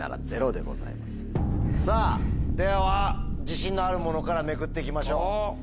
自信のあるものからめくって行きましょう。